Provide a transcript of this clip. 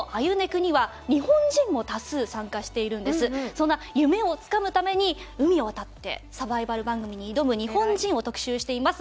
そんな夢をつかむために海を渡ってサバイバル番組に挑む日本人を特集しています。